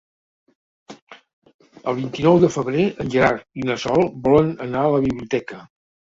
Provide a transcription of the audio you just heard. El vint-i-nou de febrer en Gerard i na Sol volen anar a la biblioteca.